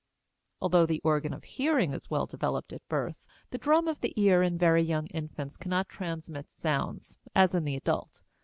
Although the organ of hearing is well developed at birth, the drum of the ear in very young infants cannot transmit sounds, as in the adult.